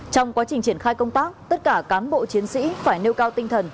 trong quá trình triển khai công tác tất cả cán bộ chiến sĩ phải nêu cao tinh thần